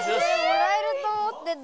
もらえると思ってた。